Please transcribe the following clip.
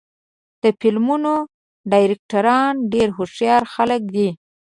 د فلمونو ډایرکټران ډېر هوښیار خلک دي.